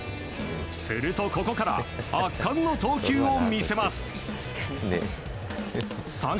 するとここから圧巻の投球を見せます。